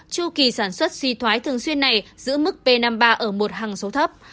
chu kỳ sản xuất suy thoái thường xuyên này giữ mức p năm mươi ba ở một hang số thấp